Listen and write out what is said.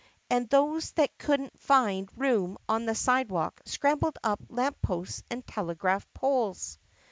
And those that could n't find room on the sidewalk scrambled up lamp posts and telegraph poles.